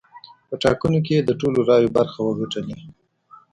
په ټاکنو کې یې د ټولو رایو برخه وګټلې.